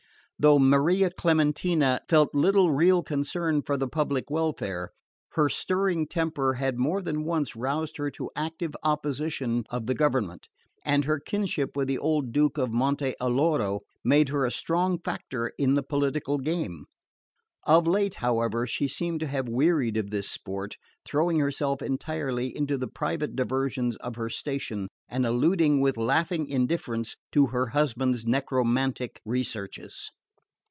Though Maria Clementina felt little real concern for the public welfare, her stirring temper had more than once roused her to active opposition of the government, and her kinship with the old Duke of Monte Alloro made her a strong factor in the political game. Of late, however, she seemed to have wearied of this sport, throwing herself entirely into the private diversions of her station, and alluding with laughing indifference to her husband's necromantic researches.